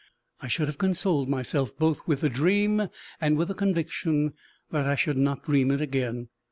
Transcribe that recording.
I should have consoled myself both with the dream, and with the conviction that I should not dream it again.